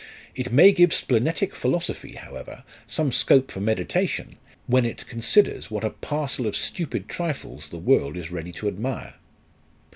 It may give splenetic philosophy, however, some scope for meditation, when it considers what a parcel of stupid trifles the world is ready to admire.